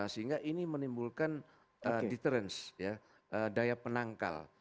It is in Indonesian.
sehingga ini menimbulkan deterens daya penangkal